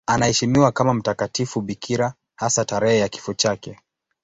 Anaheshimiwa kama mtakatifu bikira, hasa tarehe ya kifo chake.